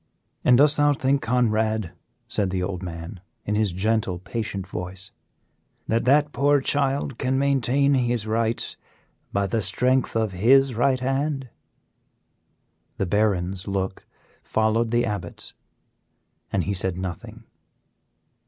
"And dost thou think, Conrad," said the old man, in his gentle, patient voice, "that that poor child can maintain his rights by the strength of his right hand?" The Baron's look followed the Abbot's, and he said nothing.